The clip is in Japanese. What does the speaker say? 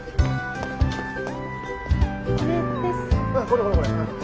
これです？